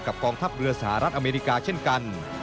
กองทัพเรือสหรัฐอเมริกาเช่นกัน